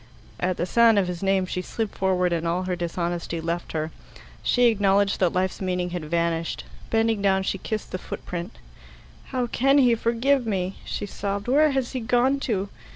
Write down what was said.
At the sound of his name she slid forward, and all her dishonesty left her. She acknowledged that life's meaning had vanished. Bending down, she kissed the footprint. "How can he forgive me?" she sobbed. "Where has he gone to?